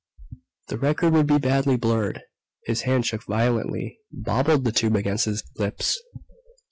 The record would be badly blurred. His hand shook violently, bobbled the tube against his lips.